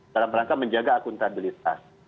dalam rangka menjaga akuntabilitas